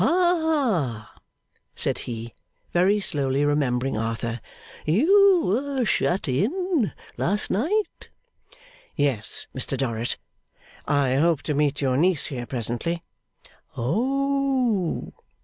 'Ha!' said he, very slowly remembering Arthur, 'you were shut in last night?' 'Yes, Mr Dorrit. I hope to meet your niece here presently.' 'Oh!